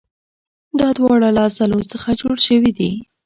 دا دواړه له عضلو څخه جوړ شوي دي.